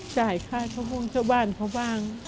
จ่ายค่าช่วงชว้านเขาบ้าง